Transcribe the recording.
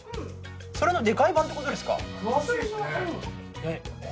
それのでかい版ってことですか？